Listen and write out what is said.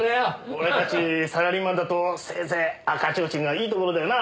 俺たちサラリーマンだとせいぜい赤ちょうちんがいいところだよな。